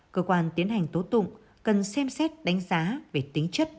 cơ quan tiến hành tố tụng cần xem xét đánh giá về tính chất